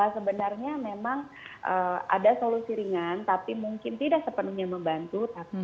sebenarnya memang ada solusi ringan tapi mungkin tidak sepenuhnya membantu tapi bisa mengurangi